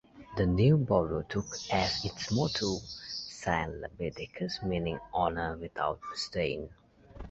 The new borough took as its motto "Sine Labe Decus" meaning: "Honour without Stain".